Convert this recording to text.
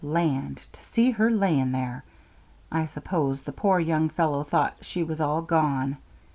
Land! to see her laying there, I suppose the poor young fellow thought she was all gone.